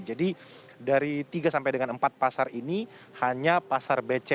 jadi dari tiga sampai dengan empat pasar ini hanya pasar becek